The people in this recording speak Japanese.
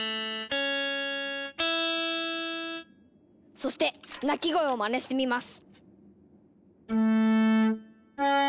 そして鳴き声をまねしてみます！